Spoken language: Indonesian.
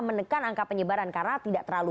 menekan angka penyebaran karena tidak terlalu